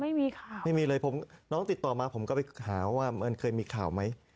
ไม่มีค่ะไม่มีเลยน้องติดต่อมาผมก็ไปหาว่ามันเคยมีข่าวไหม